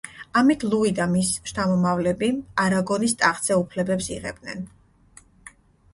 ამით ლუი და მის შთამომავლები არაგონის ტახტზე უფლებებს იღებდნენ.